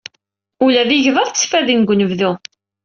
Ula d igḍaḍ ttfaden deg unebdu.